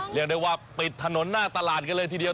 เรียกได้ว่าปิดถนนหน้าตลาดกันเลยทีเดียว